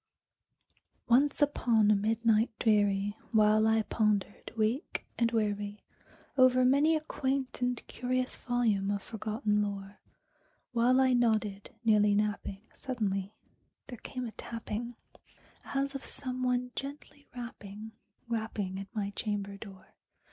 Once upon a midnight dreary, while I pondered, weak and weary, Over many a quaint and curious volume of forgotten lore, While I nodded, nearly napping, suddenly there came a tapping, As of some one gently rapping, rapping at my chamber door.